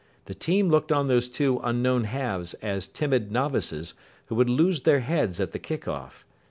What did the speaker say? The team looked on those two unknown halves as timid novices, who would lose their heads at the kick off.